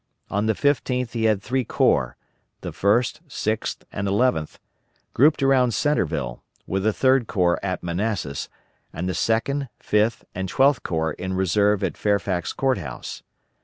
On the 15th he had three corps the First, Sixth, and Eleventh grouped around Centreville, with the Third Corps at Manassas, and the Second, Fifth, and Twelfth Corps in reserve at Fairfax Court House.